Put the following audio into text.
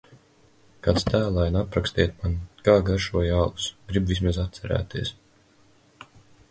Kāds tēlaini aprakstiet man, kā garšoja alus, gribu vismaz atcerēties